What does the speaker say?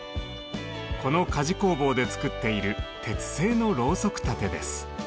この鍛冶工房で作っている鉄製のロウソク立てです。